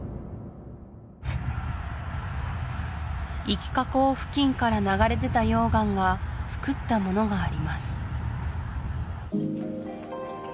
イキ火口付近から流れ出た溶岩がつくったものがあります